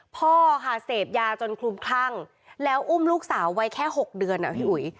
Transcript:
พ่อค่ะเสพยาจนคลุมคลั่งแล้วอุ้มลูกสาวไว้แค่๖เดือนอ่ะพี่อุ๋ย